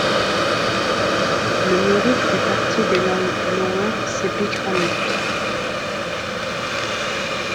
Le murik fait partie des langues lower sepik-ramu.